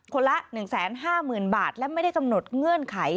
ละ๑๕๐๐๐บาทและไม่ได้กำหนดเงื่อนไข